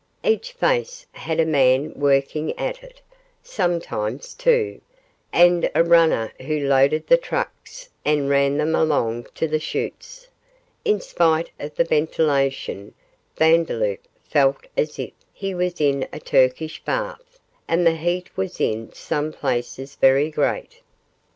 Each face had a man working at it, sometimes two, and a runner who loaded the trucks, and ran them along to the shoots. In spite of the ventilation, Vandeloup felt as if he was in a Turkish bath, and the heat was in some places very great.